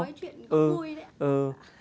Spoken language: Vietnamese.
anh nói chuyện vui đấy